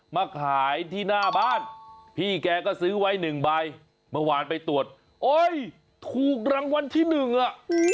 มาขายที่หน้าบ้านพี่แกก็ซื้อไว้หนึ่งใบเมื่อวานไปตรวจโอ๊ยถูกรางวัลที่หนึ่งอ่ะ